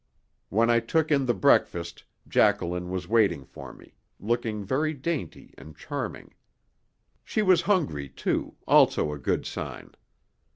When I took in the breakfast Jacqueline was waiting for me, looking very dainty and charming. She was hungry, too, also a good sign.